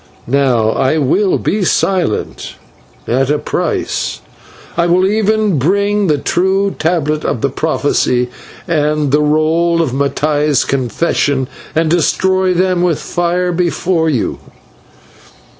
Now, I will be silent at a price. I will even bring the true tablet of the prophecy and the roll of Mattai's confession, and destroy them with fire before you."